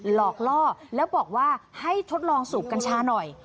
หลอกล่อแล้วบอกว่าให้ทดลองสูบกัญชาหน่อย